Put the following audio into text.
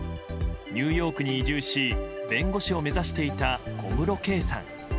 ニューヨークに移住し弁護士を目指していた小室圭さん。